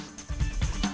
berlangganan dari dari